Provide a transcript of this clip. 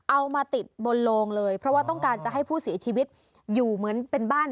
เอามาติดบนโลงเลยเพราะว่าต้องการจะให้ผู้เสียชีวิตอยู่เหมือนเป็นบ้าน